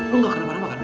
lo nggak kena marah kan